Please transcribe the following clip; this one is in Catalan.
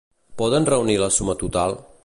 Poden reunir la suma total?